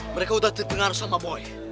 mereka udah terdengar sama boy